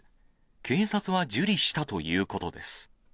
警察は受理したということです。